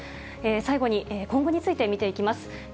最後に、今後について見ていきます。